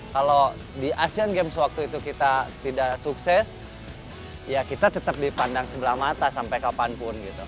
kalau di asean games waktu itu kita tidak sukses ya kita tetap dipandang sebelah mata sampai kapanpun gitu